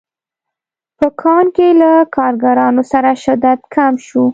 په کان کې له کارګرانو سره شدت کم شو